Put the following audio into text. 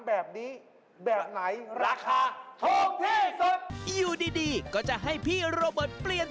อันไหนถูกที่สุด